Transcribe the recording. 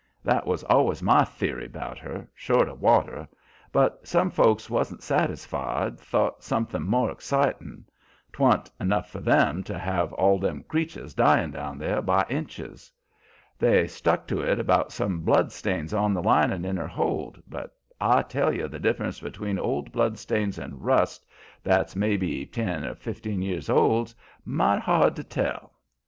That was always my the'ry 'bout her short o' water; but some folks wan't satisfied 'thout somethin' more ex citin'. 'Twan't enough for 'em to have all them creeturs dyin' down there by inches. They stuck to it about some blood stains on the linin' in her hold, but I tell you the difference between old blood stains and rust that's may be ten or fifteen years old's might' hard to tell.